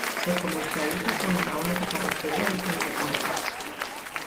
Se comercializa con una única carrocería de cinco puertas.